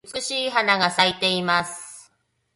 美しい花が咲いています。